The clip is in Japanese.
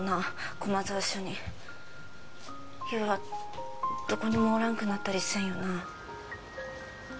駒沢署に優はどこにもおらんくなったりせんよな？